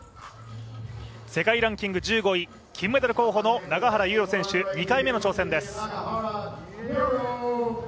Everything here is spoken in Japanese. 世界ランキング１５位、金メダル候補の永原悠路選手、２回目の挑戦です。